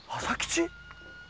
朝吉！？